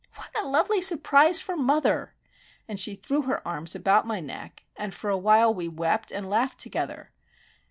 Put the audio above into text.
What a lovely surprise for mother!" And she threw her arms about my neck, and for a while we wept and laughed together.